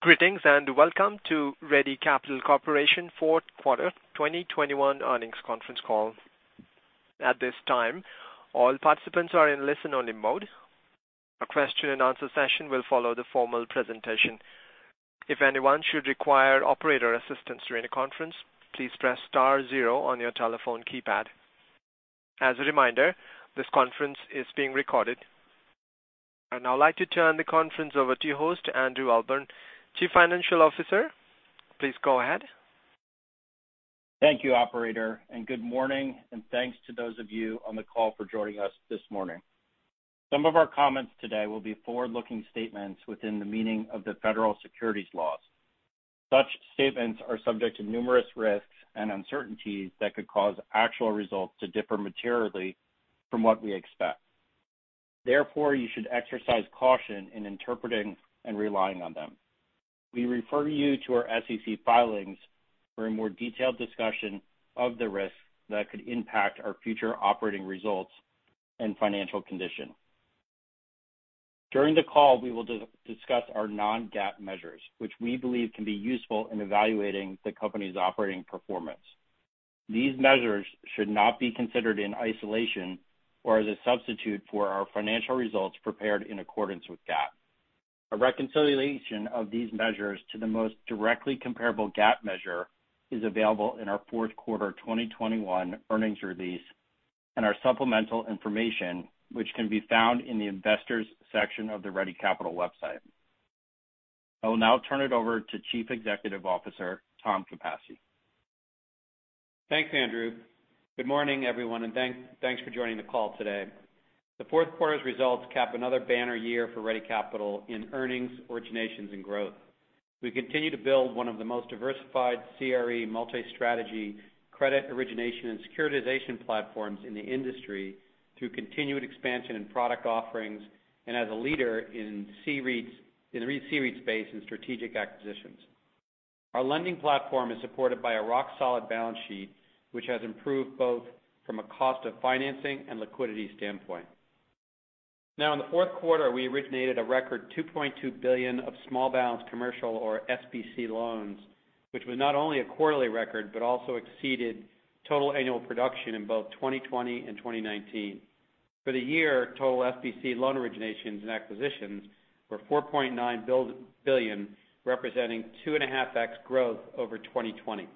Greetings, and welcome to Ready Capital Corporation Fourth Quarter 2021 Earnings Conference Call. At this time, all participants are in listen-only mode. A question and answer session will follow the formal presentation. If anyone should require operator assistance during the conference, please press star zero on your telephone keypad. As a reminder, this conference is being recorded. I'd now like to turn the conference over to your host, Andrew Ahlborn, Chief Financial Officer. Please go ahead. Thank you operator and good morning and thanks to those of you on the call for joining us this morning. Some of our comments today will be forward-looking statements within the meaning of the federal securities laws. Such statements are subject to numerous risks and uncertainties that could cause actual results to differ materially from what we expect. Therefore, you should exercise caution in interpreting and relying on them. We refer you to our SEC filings for a more detailed discussion of the risks that could impact our future operating results and financial condition. During the call, we will discuss our non-GAAP measures, which we believe can be useful in evaluating the company's operating performance. These measures should not be considered in isolation or as a substitute for our financial results prepared in accordance with GAAP. A reconciliation of these measures to the most directly comparable GAAP measure is available in our fourth quarter 2021 earnings release and our supplemental information, which can be found in the Investors section of the Ready Capital website. I will now turn it over to Chief Executive Officer, Tom Capasse. Thanks, Andrew. Good morning everyone and thanks for joining the call today. The fourth quarter's results cap another banner year for Ready Capital in earnings, originations and growth. We continue to build one of the most diversified CRE multi-strategy credit origination and securitization platforms in the industry through continued expansion in product offerings and as a leader in C-REITs, in the REIT C-REITs space and strategic acquisitions. Our lending platform is supported by a rock-solid balance sheet, which has improved both from a cost of financing and liquidity standpoint. Now, in the fourth quarter, we originated a record $2.2 billion of small balance commercial or SBC loans, which was not only a quarterly record, but also exceeded total annual production in both 2020 and 2019. For the year, total SBC loan originations and acquisitions were $4.9 billion, representing 2.5x growth over 2020.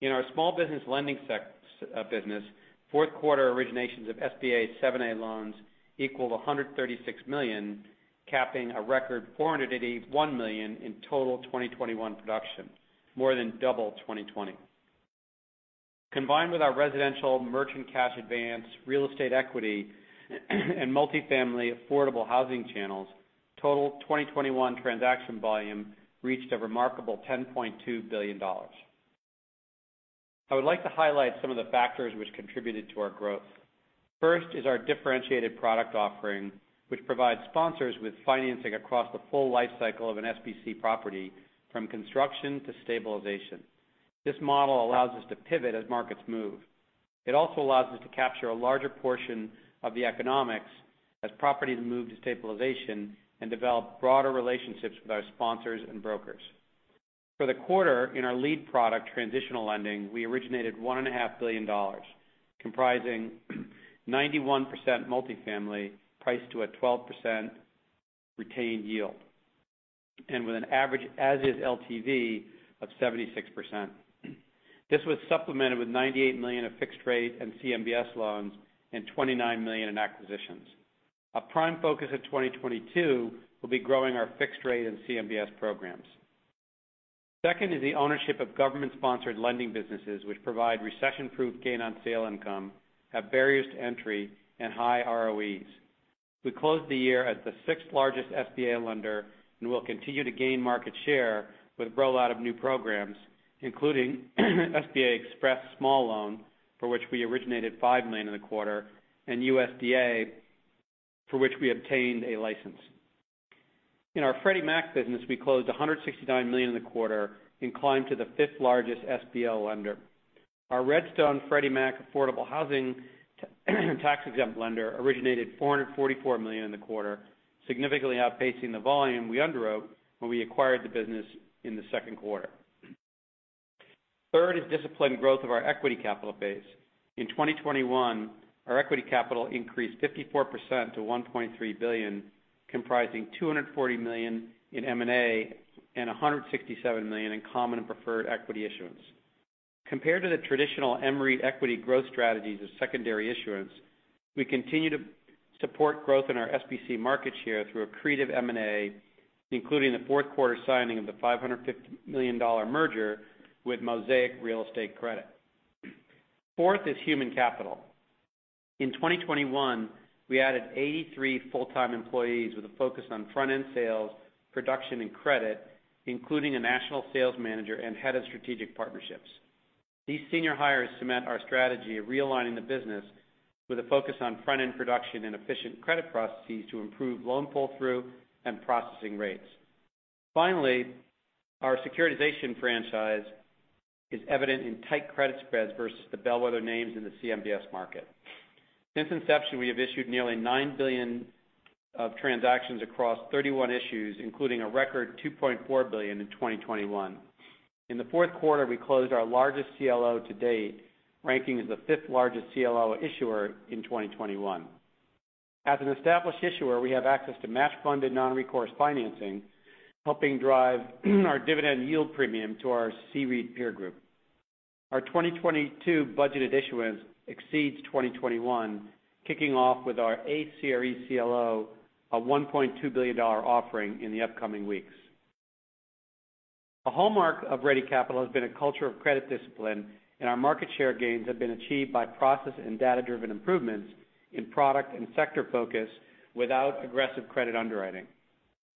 In our small business lending business, fourth quarter originations of SBA 7(a) loans equaled $136 million, capping a record $481 million in total 2021 production, more than double 2020. Combined with our residential merchant cash advance real estate equity and multifamily affordable housing channels, total 2021 transaction volume reached a remarkable $10.2 billion. I would like to highlight some of the factors which contributed to our growth. First is our differentiated product offering, which provides sponsors with financing across the full lifecycle of an SBC property from construction to stabilization. This model allows us to pivot as markets move. It also allows us to capture a larger portion of the economics as properties move to stabilization and develop broader relationships with our sponsors and brokers. For the quarter, in our lead product, transitional lending, we originated $1.5 billion, comprising 91% multifamily priced to a 12% retained yield and with an average as-is LTV of 76%. This was supplemented with $98 million of fixed rate and CMBS loans and $29 million in acquisitions. A prime focus of 2022 will be growing our fixed rate and CMBS programs. Second is the ownership of government-sponsored lending businesses, which provide recession-proof gain-on-sale income, have barriers to entry and high ROEs. We closed the year as the sixth largest SBA lender. We'll continue to gain market share with rollout of new programs, including SBA Express Small Loan, for which we originated $5 million in the quarter, and USDA, for which we obtained a license. In our Freddie Mac business, we closed $169 million in the quarter and climbed to the fifth largest SBL lender. Our Red Stone Freddie Mac Affordable Housing tax exempt lender originated $444 million in the quarter, significantly outpacing the volume we underwrote when we acquired the business in the second quarter. Third is disciplined growth of our equity capital base. In 2021, our equity capital increased 54% to $1.3 billion, comprising $240 million in M&A and $167 million in common and preferred equity issuance. Compared to the traditional MREIT equity growth strategies of secondary issuance, we continue to support growth in our SBC market share through accretive M&A, including the fourth quarter signing of the $550 million merger with Mosaic Real Estate Credit. Fourth is human capital. In 2021, we added 83 full-time employees with a focus on front-end sales, production and credit, including a national sales manager and head of strategic partnerships. These senior hires cement our strategy of realigning the business with a focus on front-end production and efficient credit processes to improve loan pull-through and processing rates. Finally, our securitization franchise is evident in tight credit spreads versus the bellwether names in the CMBS market. Since inception, we have issued nearly $9 billion of transactions across 31 issues, including a record $2.4 billion in 2021. In the fourth quarter, we closed our largest CLO to date, ranking as the fifth largest CLO issuer in 2021. As an established issuer, we have access to match funded non-recourse financing, helping drive our dividend yield premium to our C-REIT peer group. Our 2022 budgeted issuance exceeds 2021, kicking off with our eighth CRE CLO, a $1.2 billion offering in the upcoming weeks. A hallmark of Ready Capital has been a culture of credit discipline, and our market share gains have been achieved by process and data-driven improvements in product and sector focus without aggressive credit underwriting.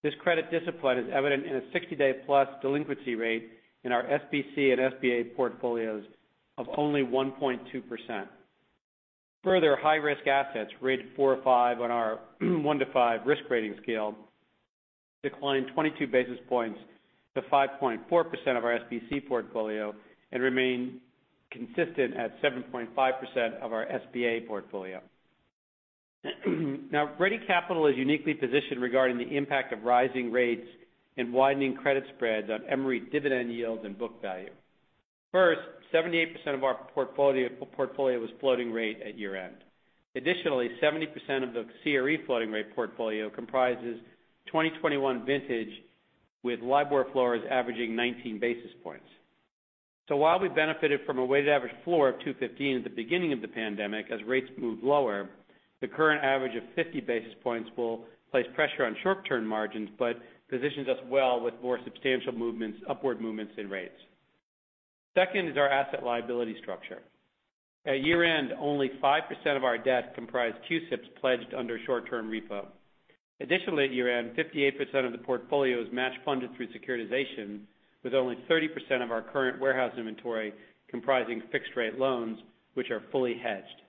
This credit discipline is evident in a 60-day-plus delinquency rate in our SBC and SBA portfolios of only 1.2%. Further, high-risk assets rated four or five on our one to five risk rating scale declined 22 basis points to 5.4% of our SBC portfolio and remain consistent at 7.5% of our SBA portfolio. Now, Ready Capital is uniquely positioned regarding the impact of rising rates and widening credit spreads on MREIT dividend yield and book value. First, 78% of our portfolio was floating rate at year-end. Additionally, 70% of the CRE floating rate portfolio comprises 2021 vintage, with LIBOR floors averaging 19 basis points. While we benefited from a weighted average floor of 2.15 at the beginning of the pandemic as rates moved lower, the current average of 50 basis points will place pressure on short-term margins, but positions us well with more substantial movements, upward movements in rates. Second is our asset liability structure. At year-end, only 5% of our debt comprised CUSIPs pledged under short-term repo. Additionally, at year-end, 58% of the portfolio is match funded through securitization, with only 30% of our current warehouse inventory comprising fixed rate loans, which are fully hedged.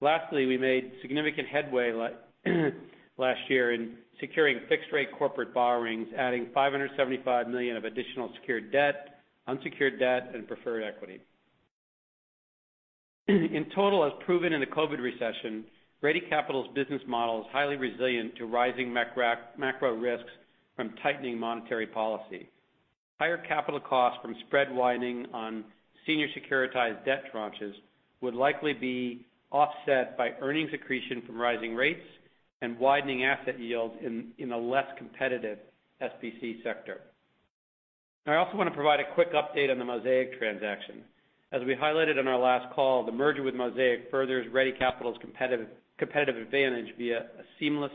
Lastly, we made significant headway last year in securing fixed rate corporate borrowings, adding $575 million of additional secured debt, unsecured debt, and preferred equity. In total, as proven in the COVID recession, Ready Capital's business model is highly resilient to rising macro risks from tightening monetary policy. Higher capital costs from spread widening on senior securitized debt tranches would likely be offset by earnings accretion from rising rates and widening asset yields in a less competitive SBC sector. I also want to provide a quick update on the Mosaic transaction. As we highlighted on our last call, the merger with Mosaic furthers Ready Capital's competitive advantage via a seamless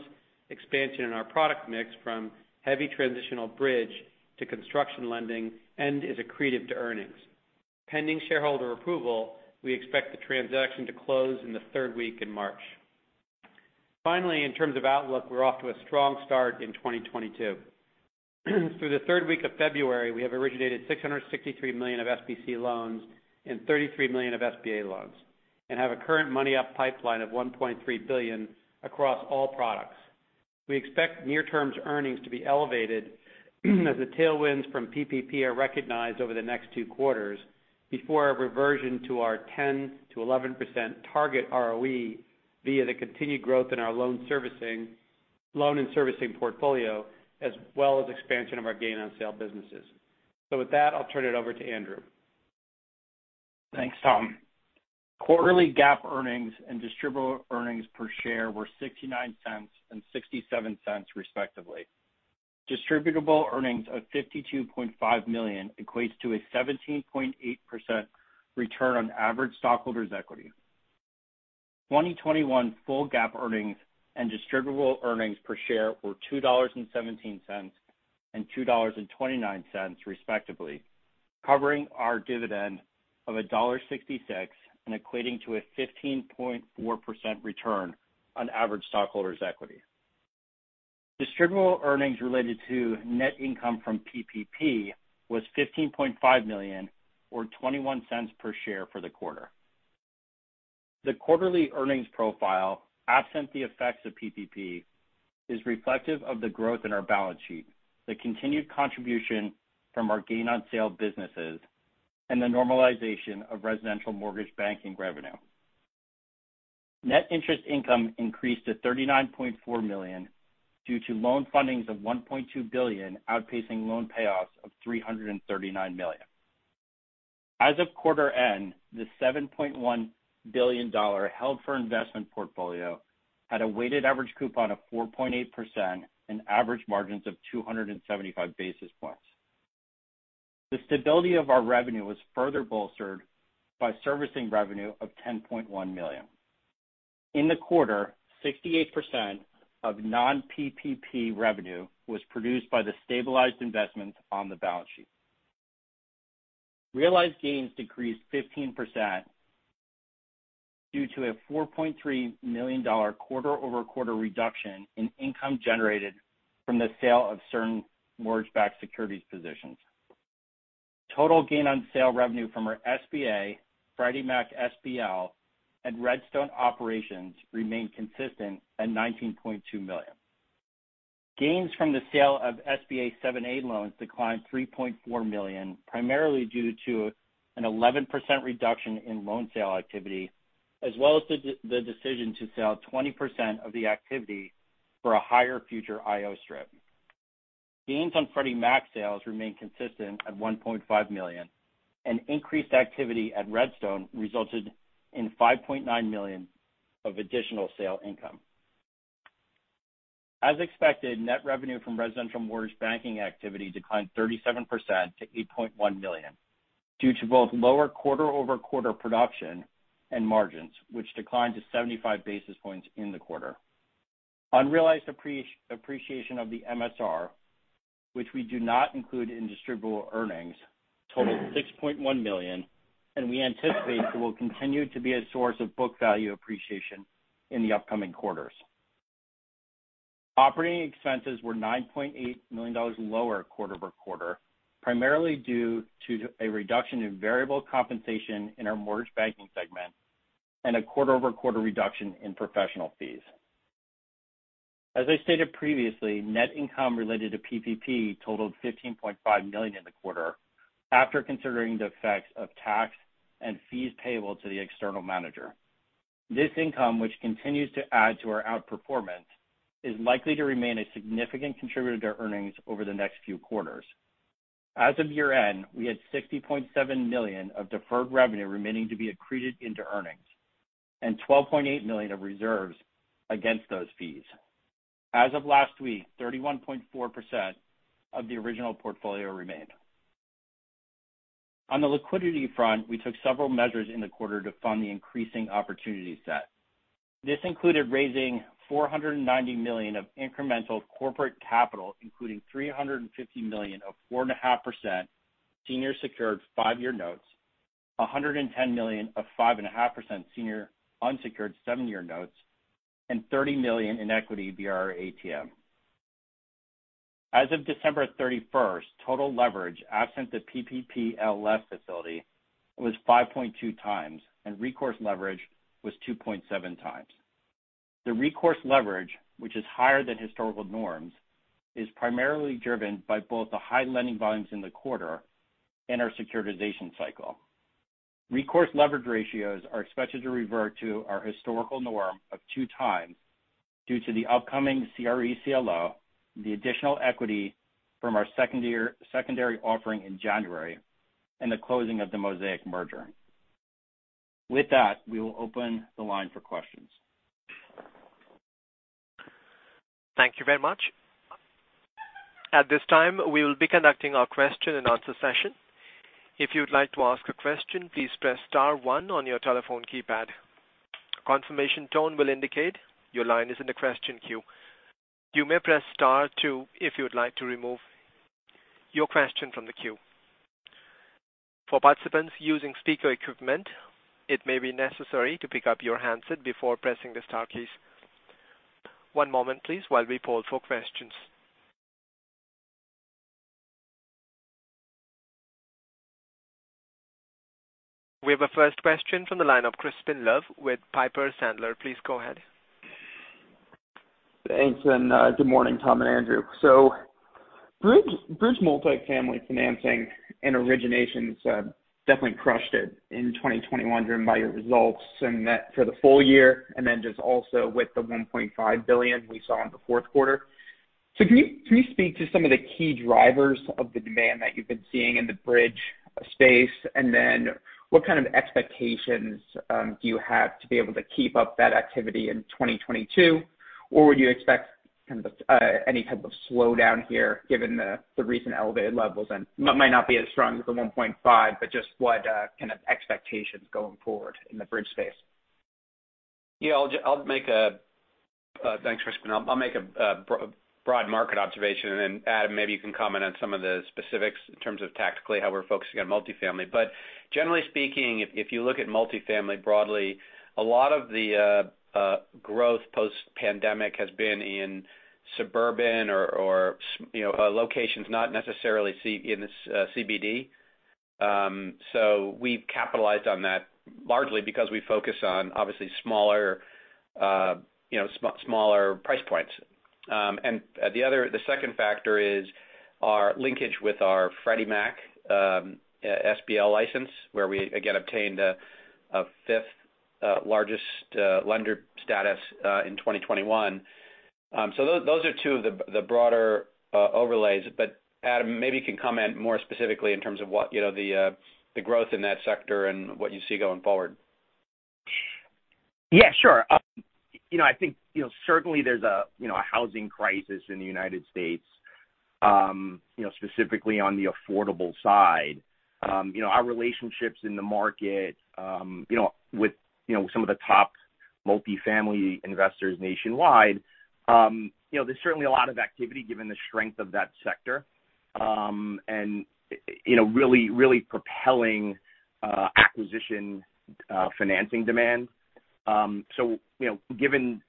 expansion in our product mix from heavy transitional bridge to construction lending and is accretive to earnings. Pending shareholder approval, we expect the transaction to close in the third week in March. Finally, in terms of outlook, we're off to a strong start in 2022. Through the third week of February, we have originated $663 million of SBC loans and $33 million of SBA loans and have a current committed pipeline of $1.3 billion across all products. We expect near-term earnings to be elevated as the tailwinds from PPP are recognized over the next two quarters before a reversion to our 10%-11% target ROE via the continued growth in our loan and servicing portfolio, as well as expansion of our gain on sale businesses. With that, I'll turn it over to Andrew. Thanks, Tom. Quarterly GAAP earnings and distributable earnings per share were $0.69 and $0.67, respectively. Distributable earnings of $52.5 million equates to a 17.8% return on average stockholders' equity. 2021 full GAAP earnings and distributable earnings per share were $2.17 and $2.29, respectively, covering our dividend of $1.66 and equating to a 15.4% return on average stockholders' equity. Distributable earnings related to net income from PPP was $15.5 million or $0.21 per share for the quarter. The quarterly earnings profile, absent the effects of PPP, is reflective of the growth in our balance sheet, the continued contribution from our gain on sale businesses, and the normalization of residential mortgage banking revenue. Net interest income increased to $39.4 million due to loan fundings of $1.2 billion, outpacing loan payoffs of $339 million. As of quarter end, the $7.1 billion held for investment portfolio had a weighted average coupon of 4.8% and average margins of 275 basis points. The stability of our revenue was further bolstered by servicing revenue of $10.1 million. In the quarter, 68% of non-PPP revenue was produced by the stabilized investments on the balance sheet. Realized gains decreased 15% due to a $4.3 million quarter-over-quarter reduction in income generated from the sale of certain mortgage-backed securities positions. Total gain on sale revenue from our SBA, Freddie Mac SBL, and Red Stone operations remained consistent at $19.2 million. Gains from the sale of SBA 7(a) loans declined $3.4 million, primarily due to an 11% reduction in loan sale activity, as well as the decision to sell 20% of the activity for a higher future IO strip. Gains on Freddie Mac sales remained consistent at $1.5 million, and increased activity at Red Stone resulted in $5.9 million of additional sale income. As expected, net revenue from residential mortgage banking activity declined 37% to $8.1 million due to both lower quarter-over-quarter production and margins, which declined to 75 basis points in the quarter. Unrealized appreciation of the MSR, which we do not include in distributable earnings, totaled $6.1 million, and we anticipate it will continue to be a source of book value appreciation in the upcoming quarters. Operating expenses were $9.8 million lower quarter-over-quarter, primarily due to a reduction in variable compensation in our mortgage banking segment and a quarter-over-quarter reduction in professional fees. As I stated previously, net income related to PPP totaled $15.5 million in the quarter after considering the effects of tax and fees payable to the external manager. This income, which continues to add to our outperformance, is likely to remain a significant contributor to earnings over the next few quarters. As of year-end, we had $60.7 million of deferred revenue remaining to be accreted into earnings and $12.8 million of reserves against those fees. As of last week, 31.4% of the original portfolio remained. On the liquidity front, we took several measures in the quarter to fund the increasing opportunity set. This included raising $490 million of incremental corporate capital, including $350 million of 4.5% senior secured five-year notes, $110 million of 5.5% senior unsecured seven-year notes, and $30 million in equity via our ATM. As of December 31st, total leverage absent the PPPLS facility was 5.2x, and recourse leverage was 2.7x. The recourse leverage, which is higher than historical norms, is primarily driven by both the high lending volumes in the quarter and our securitization cycle. Recourse leverage ratios are expected to revert to our historical norm of 2x due to the upcoming CRE CLO, the additional equity from our secondary offering in January, and the closing of the Mosaic merger. With that, we will open the line for questions. Thank you very much. At this time, we will be conducting our question and answer session. If you'd like to ask a question, please press star one on your telephone keypad. Confirmation tone will indicate your line is in the question queue. You may press star two if you would like to remove your question from the queue. For participants using speaker equipment, it may be necessary to pick up your handset before pressing the star keys. One moment please while we poll for questions. We have a first question from the line of Crispin Love with Piper Sandler. Please go ahead. Thanks and good morning Tom and Andrew. Bridge multifamily financing and originations definitely crushed it in 2021 driven by your results and that for the full year and then just also with the $1.5 billion we saw in the fourth quarter. Can you speak to some of the key drivers of the demand that you've been seeing in the Bridge space? What kind of expectations do you have to be able to keep up that activity in 2022? Or would you expect kind of any type of slowdown here given the recent elevated levels? Might not be as strong as the $1.5 billion, but just what kind of expectations going forward in the Bridge space. Yeah, thanks, Crispin. I'll make a broad market observation, and then Adam, maybe you can comment on some of the specifics in terms of tactically how we're focusing on multifamily. Generally speaking, if you look at multifamily broadly, a lot of the growth post-pandemic has been in suburban locations not necessarily in the sub-CBD. So we've capitalized on that largely because we focus on obviously smaller price points. The second factor is our linkage with our Freddie Mac SBL license, where we again obtained a fifth largest lender status in 2021. Those are two of the broader overlays. Adam, maybe you can comment more specifically in terms of what, you know, the growth in that sector and what you see going forward. Yeah, sure. You know, I think, you know, certainly there's a, you know, a housing crisis in the United States, you know, specifically on the affordable side. You know, our relationships in the market, you know, with, you know, some of the top multifamily investors nationwide, you know, there's certainly a lot of activity given the strength of that sector, and, you know, really propelling acquisition financing demand. You know, given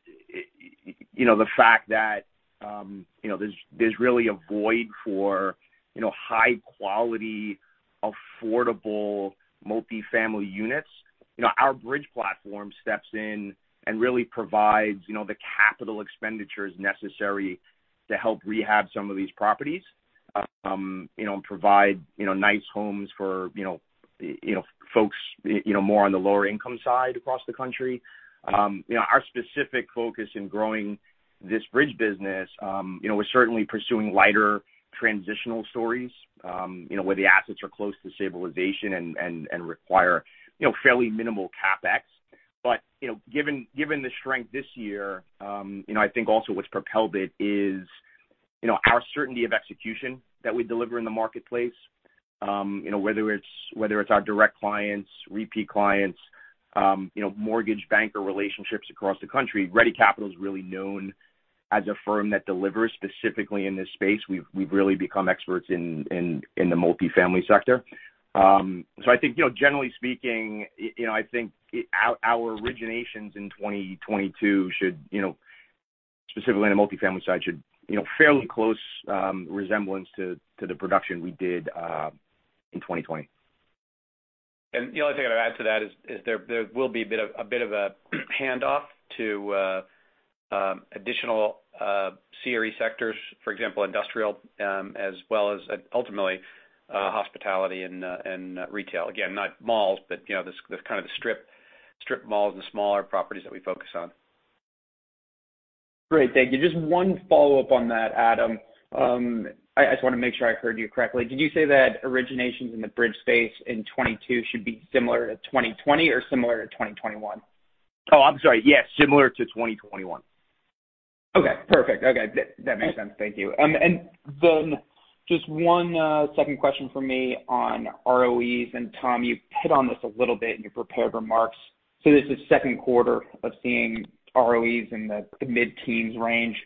you know the fact that, you know, there's really a void for, you know, high quality, affordable multifamily units. You know, our bridge platform steps in and really provides, you know, the capital expenditures necessary to help rehab some of these properties. You know, provide nice homes for folks, you know, more on the lower income side across the country. You know, our specific focus in growing this bridge business, you know, we're certainly pursuing lighter transitional stories, you know, where the assets are close to stabilization and require fairly minimal CapEx. You know, given the strength this year, you know, I think also what's propelled it is, you know, our certainty of execution that we deliver in the marketplace. You know, whether it's our direct clients, repeat clients, you know, mortgage banker relationships across the country, Ready Capital is really known as a firm that delivers specifically in this space. We've really become experts in the multifamily sector. I think, you know, generally speaking, you know, I think our originations in 2022 should, you know, specifically in the multifamily side should, you know, fairly close resemblance to the production we did in 2020. The only thing I'd add to that is there will be a bit of a hand off to additional CRE sectors, for example, industrial, as well as ultimately, hospitality and retail. Again, not malls, but you know, the kind of strip malls and smaller properties that we focus on. Great. Thank you. Just one follow-up on that, Adam. I just wanna make sure I heard you correctly. Did you say that originations in the bridge space in 2022 should be similar to 2020 or similar to 2021? Oh, I'm sorry. Yes, similar to 2021. Okay. Perfect. Okay. That makes sense. Thank you. Then just one second question from me on ROEs. Tom, you hit on this a little bit in your prepared remarks. This is second quarter of seeing ROEs in the mid-teens range.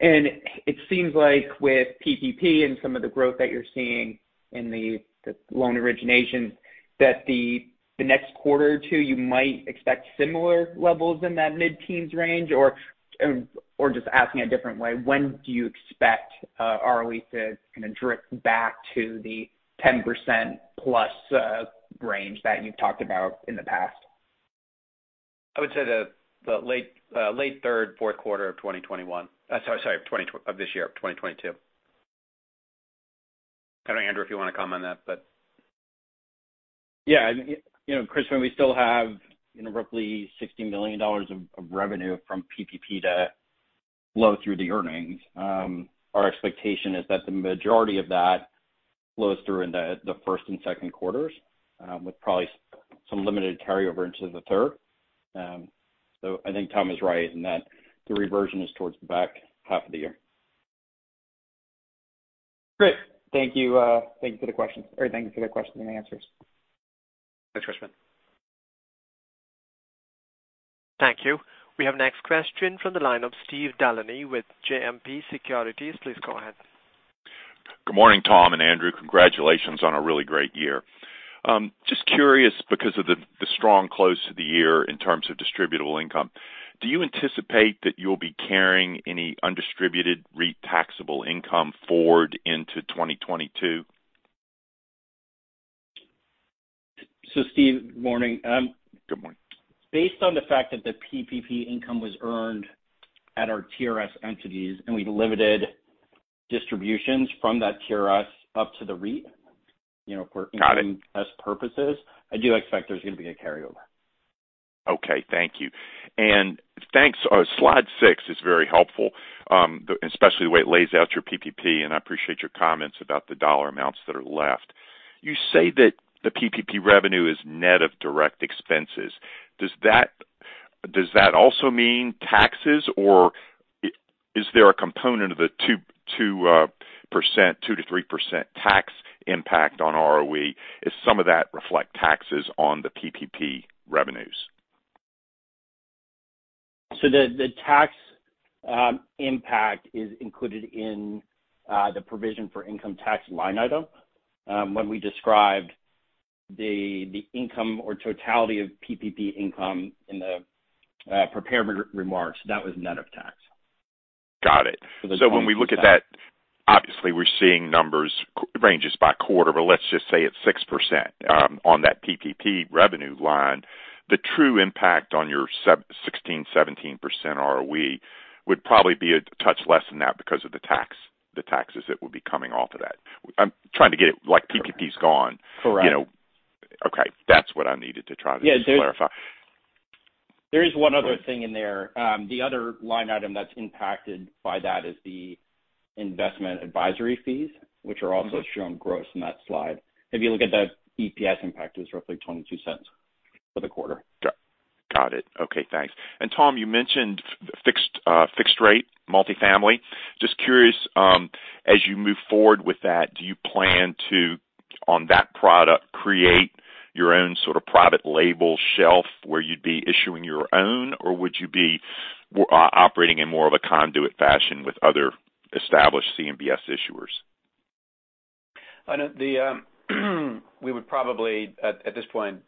It seems like with PPP and some of the growth that you're seeing in the loan originations, that the next quarter or two, you might expect similar levels in that mid-teens range or just asking a different way, when do you expect ROE to kinda drift back to the 10% plus range that you've talked about in the past? I would say the late third, fourth quarter of 2021. Sorry, of this year, of 2022. I don't know, Andrew, if you wanna comment on that, but. Yeah. You know, Chris, when we still have, you know, roughly $60 million of revenue from PPP to flow through the earnings, our expectation is that the majority of that flows through in the first and second quarters, with probably some limited carryover into the third. I think Tom is right in that the reversion is towards the back half of the year. Great. Thank you. Thank you for the question and the answers. Thanks, Chris. Thank you. We have next question from the line of Steve DeLaney with JMP Securities. Please go ahead. Good morning, Tom and Andrew. Congratulations on a really great year. Just curious because of the strong close to the year in terms of distributable income, do you anticipate that you'll be carrying any undistributed REIT taxable income forward into 2022? Steve, good morning. Good morning. Based on the fact that the PPP income was earned at our TRS entities, and we limited distributions from that TRS up to the REIT, you know, for Got it. For income tax purposes, I do expect there's gonna be a carryover. Okay. Thank you. Thanks. Slide 6 is very helpful, especially the way it lays out your PPP, and I appreciate your comments about the dollar amounts that are left. You say that the PPP revenue is net of direct expenses. Does that also mean taxes, or is there a component of the 2%-3% tax impact on ROE? Does some of that reflect taxes on the PPP revenues? The tax impact is included in the provision for income tax line item. When we described the income or totality of PPP income in the prepared remarks, that was net of tax. Got it. For the 2022 tax. When we look at that, obviously we're seeing numbers, ranges by quarter, but let's just say it's 6% on that PPP revenue line. The true impact on your 16%-17% ROE would probably be a touch less than that because of the tax, the taxes that would be coming off of that. I'm trying to get it like PPPs gone. Correct. You know? Okay. That's what I needed to try to just clarify. Yeah. There is one other thing in there. The other line item that's impacted by that is the investment advisory fees, which are also shown gross in that slide. If you look at the EPS impact, it was roughly $0.22 for the quarter. Got it. Okay, thanks. Tom, you mentioned fixed rate multifamily. Just curious, as you move forward with that, do you plan to, on that product, create your own sort of private label shelf where you'd be issuing your own, or would you be operating in more of a conduit fashion with other established CMBS issuers? I know that we would probably at this point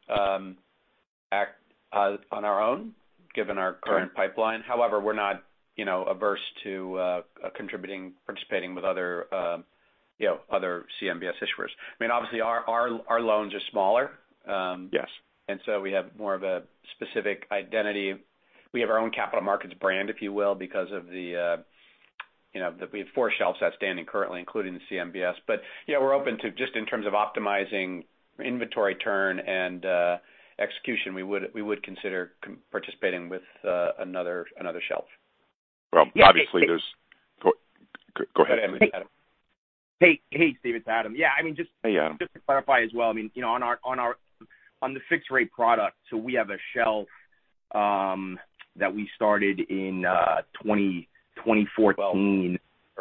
act on our own given our current pipeline. However, we're not, you know, averse to contributing, participating with other, you know, other CMBS issuers. I mean, obviously our loans are smaller. Yes We have more of a specific identity. We have our own capital markets brand, if you will, because of the, you know, we have four shelves outstanding currently, including the CMBS. Yeah, we're open to just in terms of optimizing inventory turn and execution, we would consider participating with another shelf. Well, obviously there's. Yeah. Hey, Steve. Go ahead. Hey, Steve, it's Adam. Yeah, I mean, just. Yeah. Just to clarify as well, I mean, you know, on our fixed rate product, so we have a shelf that we started in 2014. 12.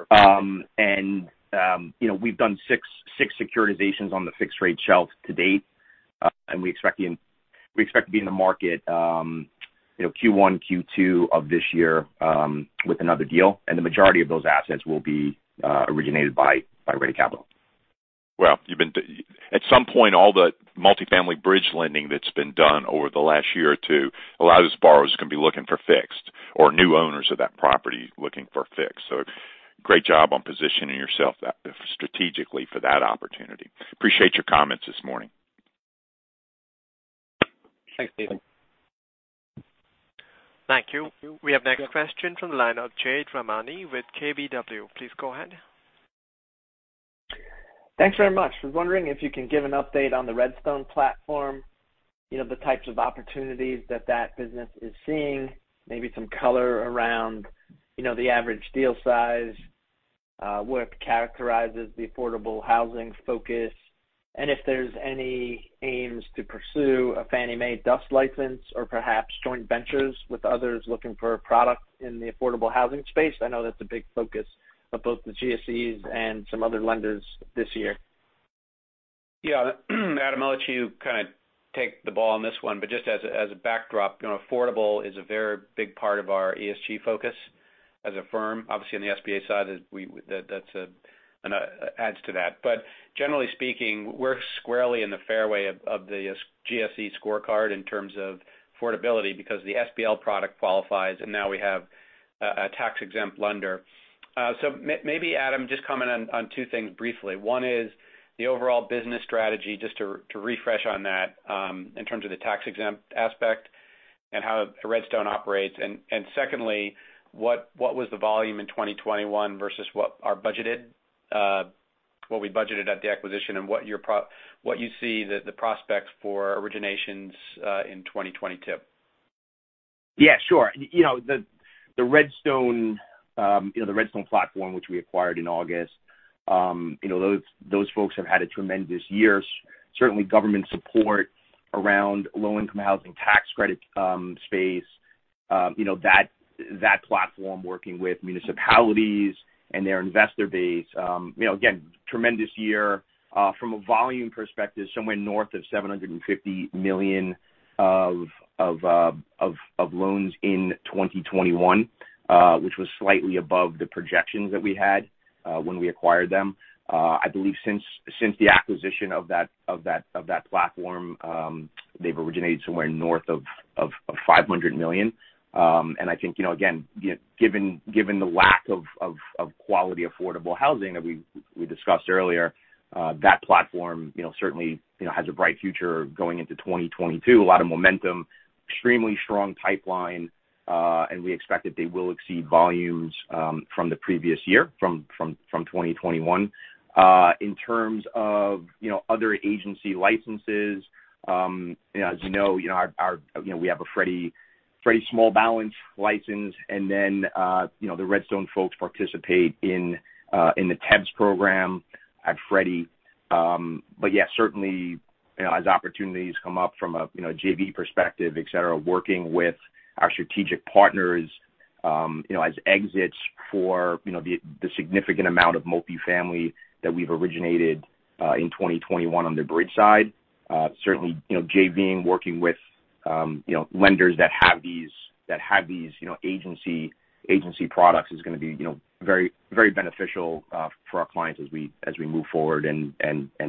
Perfect. We've done six securitizations on the fixed rate shelf to date. We expect to be in the market, you know, Q1, Q2 of this year with another deal. The majority of those assets will be originated by Ready Capital. Well, at some point, all the multifamily bridge lending that's been done over the last year or two, a lot of those borrowers are gonna be looking for fixed or new owners of that property looking for fixed. Great job on positioning yourself strategically for that opportunity. Appreciate your comments this morning. Thanks, Steve. Thank you. We have next question from the line of Jade Rahmani with KBW. Please go ahead. Thanks very much. I was wondering if you can give an update on the Red Stone platform, you know, the types of opportunities that that business is seeing, maybe some color around, you know, the average deal size, what characterizes the affordable housing focus, and if there's any aims to pursue a Fannie Mae DUS license or perhaps joint ventures with others looking for a product in the affordable housing space. I know that's a big focus of both the GSEs and some other lenders this year. Yeah. Adam, I'll let you kind of take the ball on this one. Just as a backdrop, you know, affordable is a very big part of our ESG focus as a firm. Obviously, on the SBA side, that adds to that. Generally speaking, we're squarely in the fairway of the SBA-GSE scorecard in terms of affordability because the SBL product qualifies, and now we have a tax-exempt lender. Maybe Adam, just comment on two things briefly. One is the overall business strategy, just to refresh on that, in terms of the tax-exempt aspect and how Red Stone operates. Secondly, what was the volume in 2021 versus what we budgeted at the acquisition and what you see the prospects for originations in 2022. Yeah, sure. You know, the Red Stone, you know, the Red Stone platform, which we acquired in August, you know, those folks have had a tremendous year. Certainly government support around low-income housing tax credit space, you know, that platform working with municipalities and their investor base, you know, again, tremendous year. From a volume perspective, somewhere north of $750 million of loans in 2021, which was slightly above the projections that we had when we acquired them. I believe since the acquisition of that platform, they've originated somewhere north of $500 million. I think, you know, again, given the lack of quality, affordable housing that we discussed earlier, that platform, you know, certainly, you know, has a bright future going into 2022. A lot of momentum, extremely strong pipeline, and we expect that they will exceed volumes from the previous year from 2021. In terms of other agency licenses, you know, as you know, you know, our, you know, we have a Freddie small balance license, and then, you know, the Red Stone folks participate in the TEBS program at Freddie. Yeah, certainly, you know, as opportunities come up from a, you know, JV perspective, et cetera, working with our strategic partners, you know, as exits for, you know, the significant amount of multifamily that we've originated in 2021 on the bridge side. Certainly, you know, JVing, working with, you know, lenders that have these agency products is gonna be, you know, very beneficial for our clients as we move forward and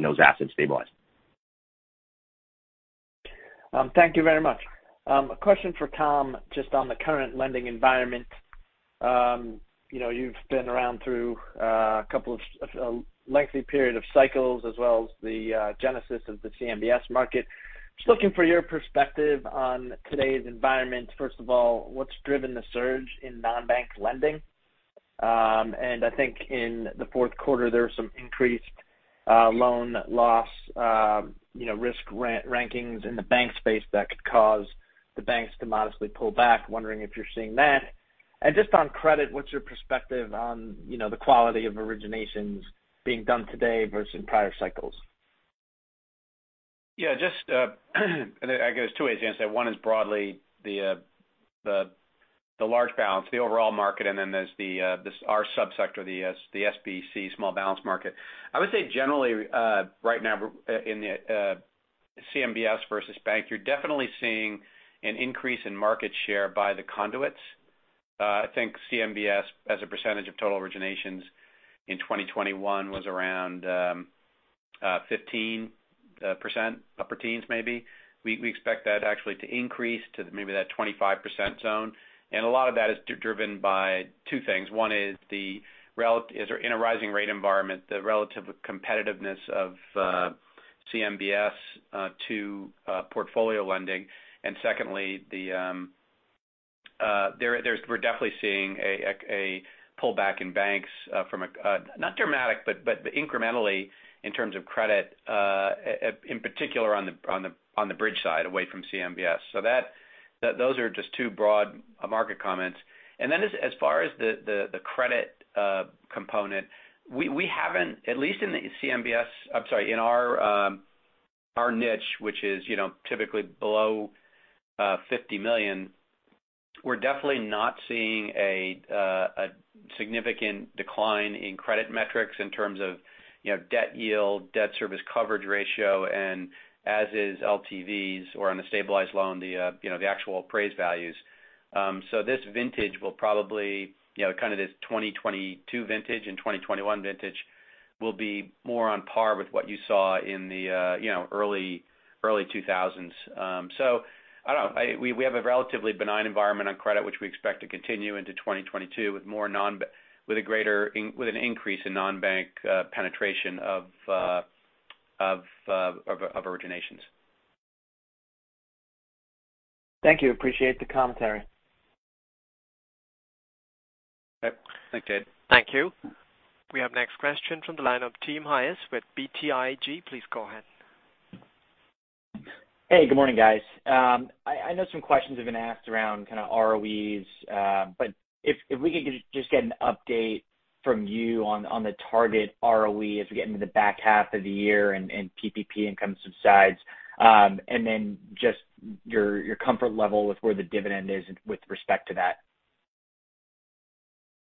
those assets stabilize. Thank you very much. A question for Tom, just on the current lending environment. You know, you've been around through a couple of a lengthy period of cycles as well as the genesis of the CMBS market. Just looking for your perspective on today's environment. First of all, what's driven the surge in non-bank lending? I think in the fourth quarter, there are some increased loan loss, you know, risk rankings in the bank space that could cause the banks to modestly pull back. Wondering if you're seeing that. Just on credit, what's your perspective on, you know, the quality of originations being done today versus in prior cycles? Yeah, just, I guess two ways. One is broadly the large balance, the overall market, and then there's our sub-sector, the SBC small balance market. I would say generally, right now, in the CMBS versus bank, you're definitely seeing an increase in market share by the conduits. I think CMBS as a percentage of total originations in 2021 was around 15%, upper teens maybe. We expect that actually to increase to maybe that 25% zone. A lot of that is driven by two things. One is in a rising rate environment, the relative competitiveness of CMBS to portfolio lending. Secondly, we're definitely seeing a pullback in banks from not dramatic, but incrementally in terms of credit, in particular on the bridge side away from CMBS. Those are just two broad market comments. As far as the credit component, we haven't, at least in our niche, which is, you know, typically below $50 million, we're definitely not seeing a significant decline in credit metrics in terms of, you know, debt yield, debt service coverage ratio, and as is LTVs or on a stabilized loan, you know, the actual appraised values. This vintage will probably, you know, kind of this 2022 vintage and 2021 vintage will be more on par with what you saw in the, you know, early 2000s. I don't know. We have a relatively benign environment on credit, which we expect to continue into 2022 with a greater increase in non-bank penetration of originations. Thank you. Appreciate the commentary. Yep. Thanks, Jade Rahmani. Thank you. We have next question from the line of Timothy Hayes with BTIG. Please go ahead. Hey, good morning guys. I know some questions have been asked around kind of ROE. If we could just get an update from you on the target ROE as we get into the back half of the year and PPP income subsides. Just your comfort level with where the dividend is with respect to that.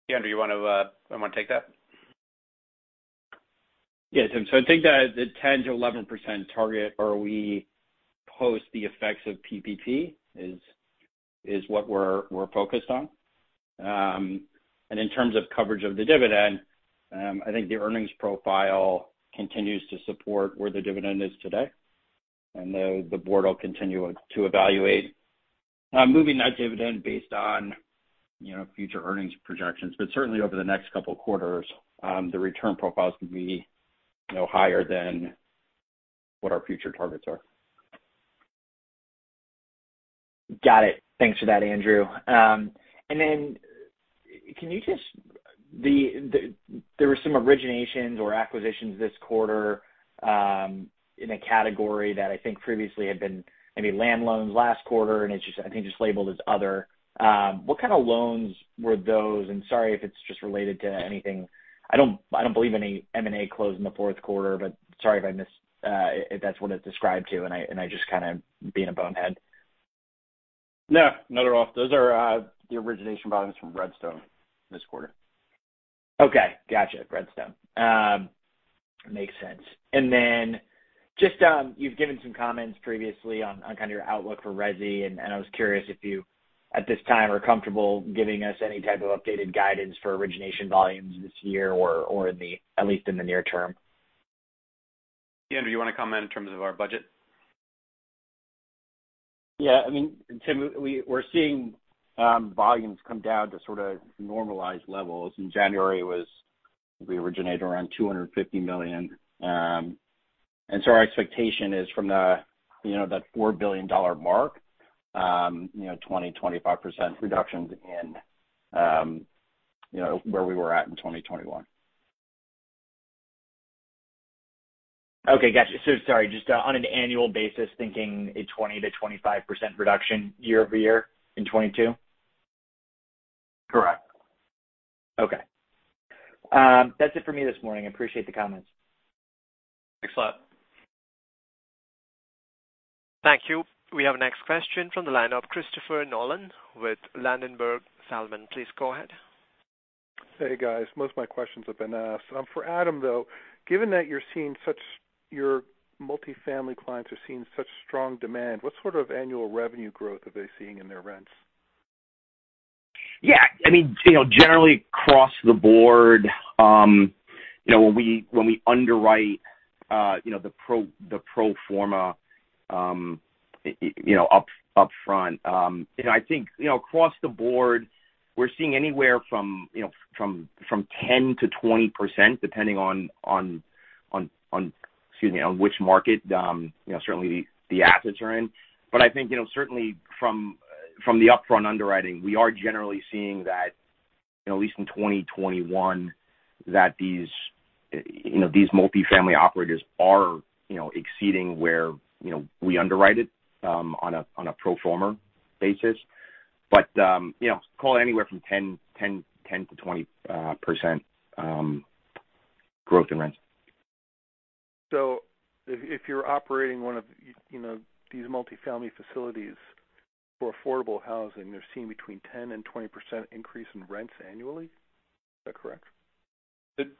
Andrew, you wanna take that? Yes. I think that the 10%-11% target ROE post the effects of PPP is what we're focused on. In terms of coverage of the dividend, I think the earnings profile continues to support where the dividend is today, and the board will continue to evaluate moving that dividend based on, you know, future earnings projections. Certainly over the next couple quarters, the return profiles could be, you know, higher than what our future targets are. Got it. Thanks for that, Andrew. Can you just the there were some originations or acquisitions this quarter in a category that I think previously had been maybe land loans last quarter, and it's just, I think, just labeled as other. What kind of loans were those? Sorry if it's just related to anything. I don't believe any M&A closed in the fourth quarter, but sorry if I missed if that's what it described to and I just kind of being a bonehead. No, not at all. Those are the origination volumes from Red Stone this quarter. Okay. Gotcha. Red Stone. Makes sense. Just you've given some comments previously on kind of your outlook for resi, and I was curious if you at this time are comfortable giving us any type of updated guidance for origination volumes this year or at least in the near term. Andrew, do you wanna comment in terms of our budget? Yeah. I mean, Tim, we're seeing volumes come down to sort of normalized levels. In January, we originated around $250 million. Our expectation is from that $4 billion mark, you know, 20%-25% reductions in where we were at in 2021. Okay. Gotcha. Sorry, just on an annual basis, thinking a 20%-25% reduction year-over-year in 2022? Correct. Okay. That's it for me this morning. I appreciate the comments. Thanks a lot. Thank you. We have next question from the line of Christopher Nolan with Ladenburg Thalmann. Please go ahead. Hey, guys. Most of my questions have been asked. For Adam, though, given that your multifamily clients are seeing such strong demand, what sort of annual revenue growth are they seeing in their rents? Yeah. I mean, you know, generally across the board, you know, when we underwrite, you know, the pro forma, you know, upfront, you know, I think, you know, across the board, we're seeing anywhere from, you know, 10%-20%, depending on which market, you know, certainly the assets are in. But I think, you know, certainly from the upfront underwriting, we are generally seeing that at least in 2021, that these, you know, these multifamily operators are, you know, exceeding where, you know, we underwrite it, on a pro forma basis. But, you know, call it anywhere from 10%-20% growth in rents. If you're operating one of, you know, these multifamily facilities for affordable housing, they're seeing between 10% and 20% increase in rents annually. Is that correct?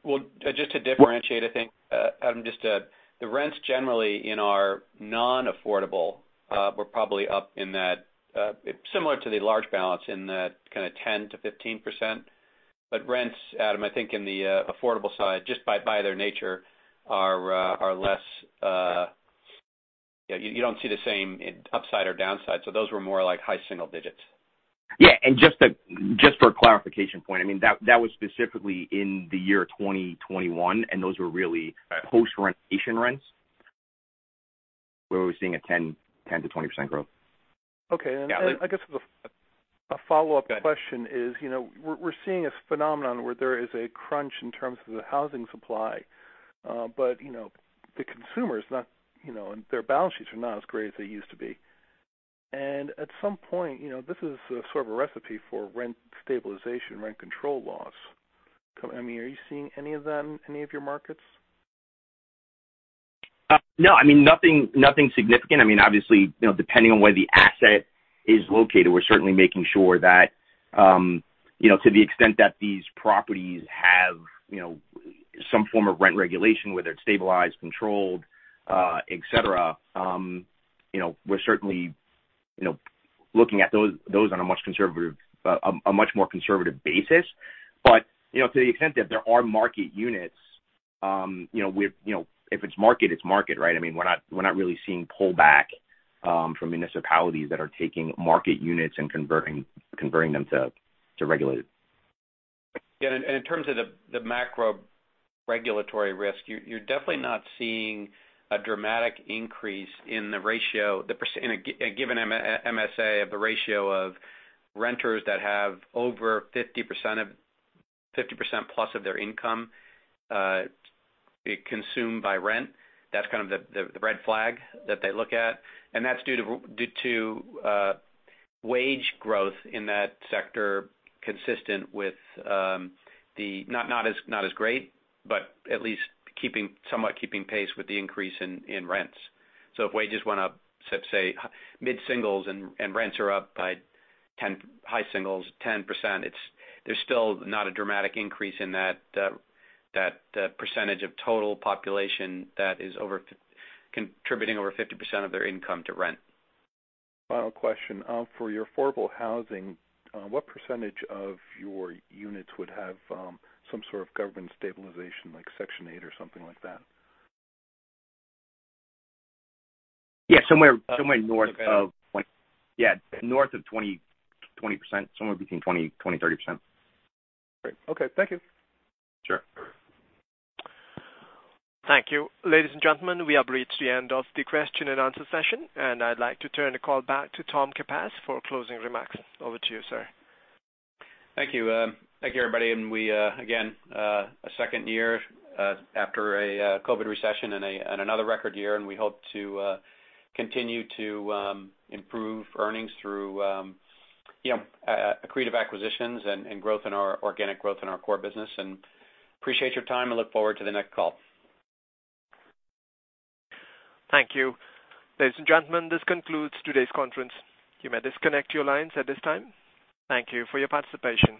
Well, just to differentiate, I think, Adam, just, the rents generally in our non-affordable, we're probably up in that, similar to the large balance in that kind of 10%-15%. Rents, Adam, I think in the affordable side, just by their nature are less. You don't see the same upside or downside. Those were more like high single digits%. Just for a clarification point, I mean, that was specifically in the year 2021, and those were really post-renovation rents where we're seeing a 10%-20% growth. Okay. Yeah. I guess as a follow-up question is, you know, we're seeing this phenomenon where there is a crunch in terms of the housing supply, but, you know, the consumer is not, you know. Their balance sheets are not as great as they used to be. At some point, you know, this is sort of a recipe for rent stabilization, rent control laws. I mean, are you seeing any of them, any of your markets? No, I mean, nothing significant. I mean, obviously, you know, depending on where the asset is located, we're certainly making sure that, you know, to the extent that these properties have, you know, some form of rent regulation, whether it's stabilized, controlled, et cetera, you know, we're certainly, you know, looking at those on a much more conservative basis. But, you know, to the extent that there are market units, you know, we're, you know, if it's market, it's market, right? I mean, we're not really seeing pullback from municipalities that are taking market units and converting them to regulated. Yeah, in terms of the macro regulatory risk, you're definitely not seeing a dramatic increase in the ratio, the percentage in a given MSA of the ratio of renters that have over 50% plus of their income consumed by rent. That's kind of the red flag that they look at. That's due to wage growth in that sector consistent with not as great, but at least somewhat keeping pace with the increase in rents. If wages went up, say, mid-singles and rents are up by 10, high singles, 10%, it's still not a dramatic increase in that percentage of total population that is contributing over 50% of their income to rent. Final question. For your affordable housing, what percentage of your units would have some sort of government stabilization like Section 8 or something like that? Yeah, somewhere north of. Okay. Yeah, north of 20%. Somewhere between 20%-30%. Great. Okay. Thank you. Sure. Thank you. Ladies and gentlemen, we have reached the end of the question and answer session, and I'd like to turn the call back to Tom Capasse for closing remarks. Over to you, sir. Thank you. Thank you everybody. We again a second year after a COVID recession and another record year, and we hope to continue to improve earnings through you know accretive acquisitions and growth in our organic growth in our core business. We appreciate your time and look forward to the next call. Thank you. Ladies and gentlemen, this concludes today's conference. You may disconnect your lines at this time. Thank you for your participation.